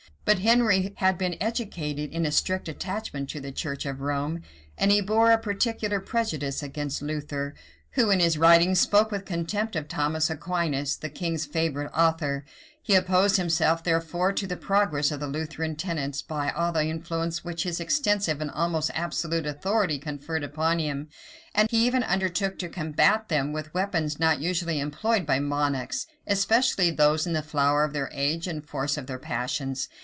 But Henry had been educated in a strict attachment to the church of Rome; and he bore a particular prejudice against Luther, who, in his writings, spoke with contempt of Thomas Aquinas, the king's favorite author: he opposed himself, therefore, to the progress of the Lutheran tenets, by all the influence which his extensive and almost absolute authority conferred upon him: he even under took to combat them with weapons not usually employed by monarchs, especially those in the flower of their age and force of their passions.